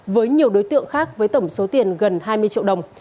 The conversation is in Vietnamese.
với nhiều đối tượng khác với tổng số tiền gần hai mươi triệu đồng